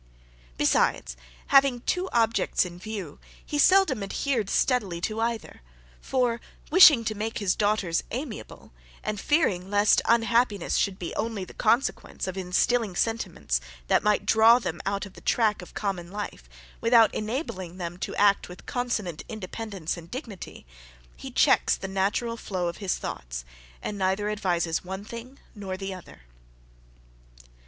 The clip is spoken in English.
Besides, having two objects in view, he seldom adhered steadily to either; for, wishing to make his daughters amiable, and fearing lest unhappiness should only be the consequence, of instilling sentiments, that might draw them out of the track of common life, without enabling them to act with consonant independence and dignity, he checks the natural flow of his thoughts, and neither advises one thing nor the other.